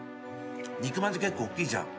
肉まんって結構おっきいじゃん。